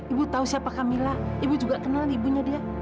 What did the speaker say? ibu tahu siapa kamila ibu juga kenal ibunya dia